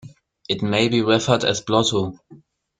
It may be referred as Blotto.